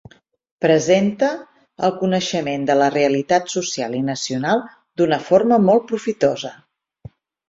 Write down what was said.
Presente el coneixement de la realitat social i nacional d’una forma molt profitosa.